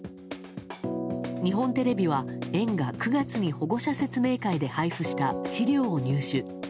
日本テレビは園が９月に保護者説明会で配布した資料を入手。